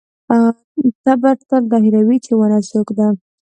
تبر تل دا هېروي چې ونه څوک ده.